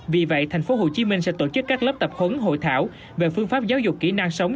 vì vậy tp hcm sẽ tổ chức các lớp tập huấn hội thảo về phương pháp giáo dục kỹ năng sống